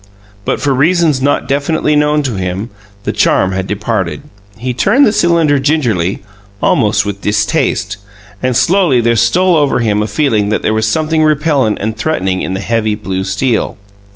But, for reasons not definitely known to him, the charm had departed; he turned the cylinder gingerly, almost with distaste; and slowly there stole over him a feeling that there was something repellent and threatening in the heavy blue steel.